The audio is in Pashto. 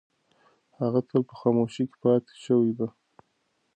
هغه تل په خاموشۍ کې پاتې شوې ده.